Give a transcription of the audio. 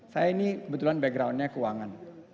saya ini kebetulan backgroundnya keuangan